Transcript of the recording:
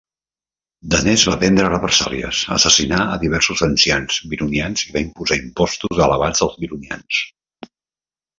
Danes va prendre represàlies, assassinà a diversos ancians Vironians i va imposar impostos elevats als Vironians.